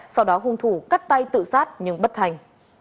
sau đó hung thủ cắt tay tự sát nhưng bất thành